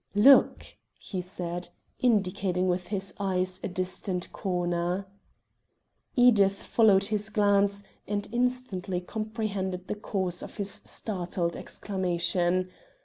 "Look," he said, indicating with his eyes a distant corner. Edith followed his glance, and instantly comprehended the cause of his startled exclamation.